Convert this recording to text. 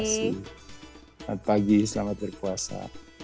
selamat pagi selamat berpuasa